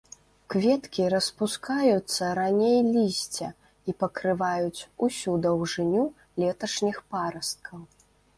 Кветкі распускаюцца раней лісця і пакрываюць усю даўжыню леташніх парасткаў.